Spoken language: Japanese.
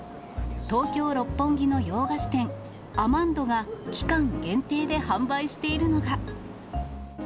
東京・六本木の洋菓子店、アマンドが、期間限定で販売しているのが。